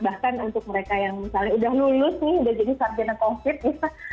bahkan untuk mereka yang misalnya sudah lulus nih sudah jadi sarjana covid